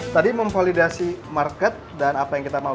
tadi memvalidasi market dan apa yang kita mau